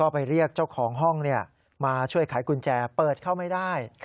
ไปเรียกเจ้าของห้องมาช่วยขายกุญแจเปิดเข้าไม่ได้